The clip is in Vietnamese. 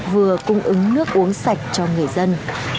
vừa cung ứng nước uống sạch cho người dân